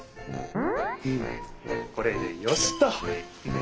これでよしっと！